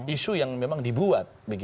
isu yang memang dibuat